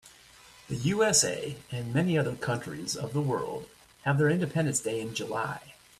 The USA and many other countries of the world have their independence day in July.